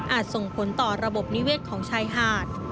ส่งผลต่อระบบนิเวศของชายหาด